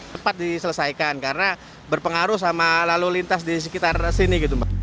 cepat diselesaikan karena berpengaruh sama lalu lintas di sekitar sini gitu mbak